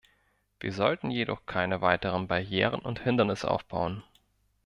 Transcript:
Wir sollten jedoch keine weiteren Barrieren und Hindernisse aufbauen.